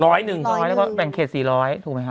ร้อยหนึ่งแล้วก็แบ่งเขต๔๐๐ถูกมั้ยคะ